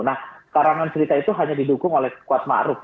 nah karangan cerita itu hanya didukung oleh kuat maruf